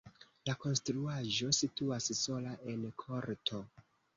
La konstruaĵo situas sola en korto.